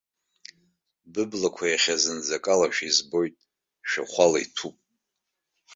Быблақәа иахьа зынӡа акалашәа избоит, шәахәала иҭәуп!